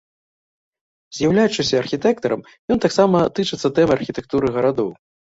З'яўляючыся архітэктарам, ён таксама тычыцца тэмы архітэктуры гарадоў.